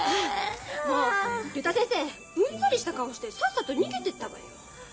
もう竜太先生うんざりした顔してさっさと逃げてったわよ。